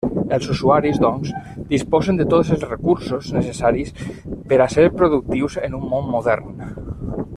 Els usuaris, doncs, disposen de tots els recursos necessaris per a ser productius en un món modern.